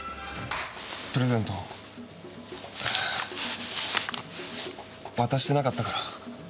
「プレゼント」「渡してなかったから」